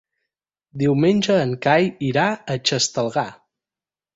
Diumenge en Cai irà a Xestalgar.